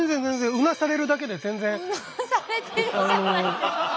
うなされてるじゃないですか。